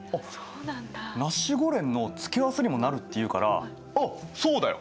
あっナシゴレンの付け合わせにもなるっていうからあそうだよ。